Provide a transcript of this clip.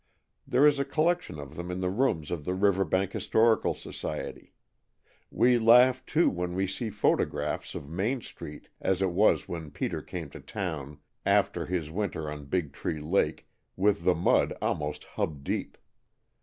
There is a collection of them in the rooms of the Riverbank Historical Society. We laugh, too, when we see photographs of Main Street as it was when Peter came to town after his winter on Big Tree Lake, with the mud almost hub deep.